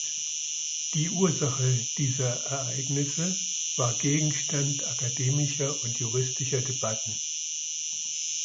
Die Ursache dieser Ereignisse war Gegenstand akademischer und juristischer Debatten.